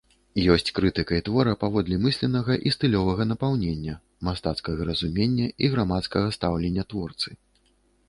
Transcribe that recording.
Ёсць крытыкай твора паводле мысленнага і стылёвага напаўнення, мастацкага разумення і грамадскага стаўлення творцы.